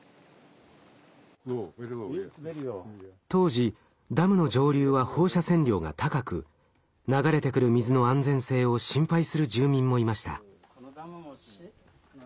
当時ダムの上流は放射線量が高く流れてくる水の安全性を心配する住民もいました。